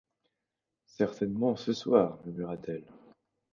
Certainement, ce soir, murmura-t-elle.